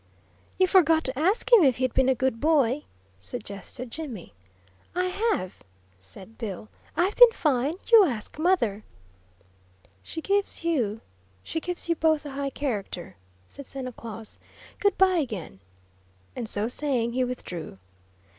"You forgot to ask him if he'd been a good boy," suggested Jimmy. "I have," said Bill. "I've been fine. You ask mother." "She gives you she gives you both a high character," said Santa Claus. "Good bye again," and so saying he withdrew.